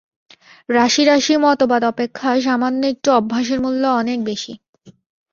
রাশি রাশি মতবাদ অপেক্ষা সামান্য একটু অভ্যাসের মূল্য অনেক বেশী।